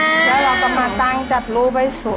แล้วเราก็มาตั้งจัดรูใบสวม